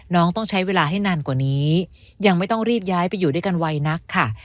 ต้องใช้เวลาให้นานกว่านี้ยังไม่ต้องรีบย้ายไปอยู่ด้วยกันไวนักค่ะ